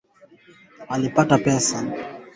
mateso Gilmore alisema katika mkutano na wanahabari